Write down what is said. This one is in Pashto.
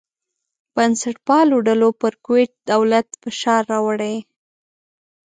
بنسټپالو ډلو پر کویت دولت فشار راوړی.